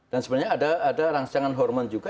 dan sebenarnya ada rangsangan hormon juga